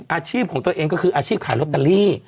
อาชีพของตัวเองก็คืออาชีพขายลอตเตอรี่